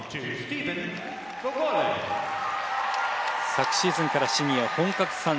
昨シーズンからシニア本格参戦。